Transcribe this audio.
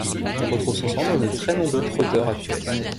On retrouve son sang dans de très nombreux trotteurs actuels.